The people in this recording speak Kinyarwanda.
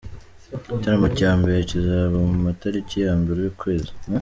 Igitaramo cya mbere kizaba mu matariki ya mbere ukwezi.